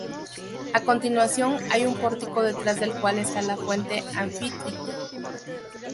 A continuación hay un pórtico detrás del cual está la fuente Anfítrite.